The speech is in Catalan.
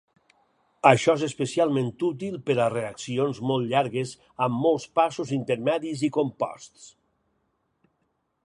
Això és especialment útil per a reaccions molt llargues amb molts passos intermedis i composts.